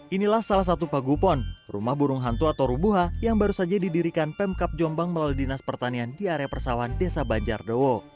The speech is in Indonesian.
inilah salah satu pagupon rumah burung hantu atau rubuha yang baru saja didirikan pemkap jombang melalui dinas pertanian di area persawan desa banjardowo